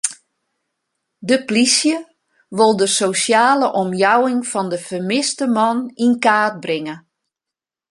De plysje wol de sosjale omjouwing fan de fermiste man yn kaart bringe.